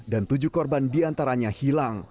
dan tujuh korban diantaranya hilang